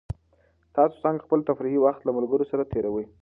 تاسو څنګه خپل تفریحي وخت له ملګرو سره تېروئ؟